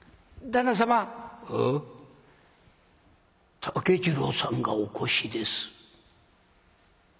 「竹次郎さんがお越しです」。